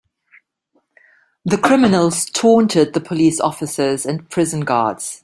The criminals taunted the police officers and prison guards.